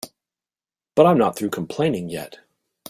But I'm not through complaining yet.